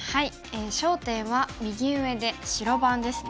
焦点は右上で白番ですね。